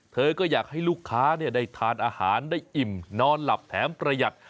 เธอก็อยากให้ลูกค้าได้ทานอาหารได้อิ่มนอนหลับแถมประหยัด